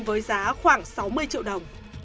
với giá khoảng sáu mươi triệu đồng